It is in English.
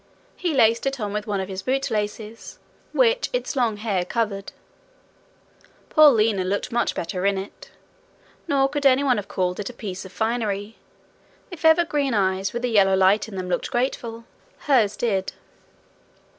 He laced it on with one of his boot laces, which its long hair covered. Poor Lina looked much better in it. Nor could any one have called it a piece of finery. If ever green eyes with a yellow light in them looked grateful, hers did.